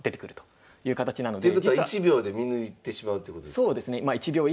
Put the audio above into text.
そうですね。